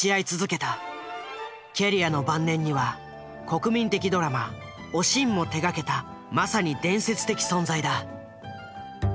キャリアの晩年には国民的ドラマ「おしん」も手がけたまさに伝説的存在だ。